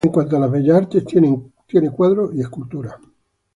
En cuanto a las Bellas Artes, tiene cuadros y esculturas.